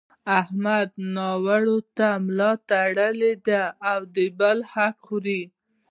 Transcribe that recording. احمد نارواوو ته ملا تړلې ده او د بل حق خوري.